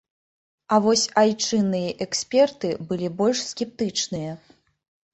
А вось айчынныя эксперты былі больш скептычныя.